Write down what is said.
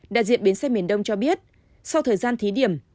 đại diện bến xe miền đông cho biết sau thời gian thí điểm